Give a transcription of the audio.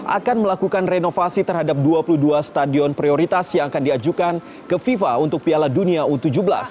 akan melakukan renovasi terhadap dua puluh dua stadion prioritas yang akan diajukan ke fifa untuk piala dunia u tujuh belas